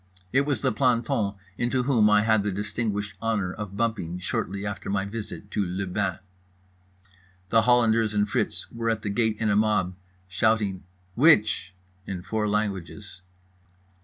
It was the planton into whom I had had the distinguished honour of bumping shortly after my visit to le bain. The Hollanders and Fritz were at the gate in a mob, all shouting "Which" in four languages.